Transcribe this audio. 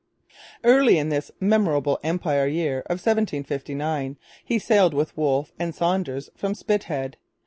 Early in this memorable Empire Year of 1759 he sailed with Wolfe and Saunders from Spithead.